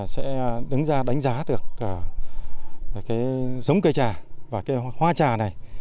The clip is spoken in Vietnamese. sẽ đứng ra đánh giá được cái giống cây trà và cái hoa trà này